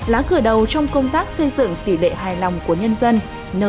lá cờ đầu trong công tác xây dựng tỷ lệ hài lòng của nhân dân nơi miền cao xứ lạ